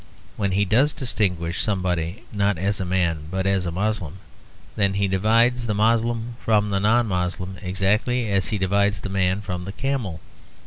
When he does distinguish somebody not as a man but as a Moslem, then he divides the Moslem from the non Moslem exactly as he divides the man from the camel.